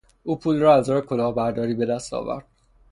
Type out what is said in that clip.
او پول را از راه کلاهبرداری به دست آورد.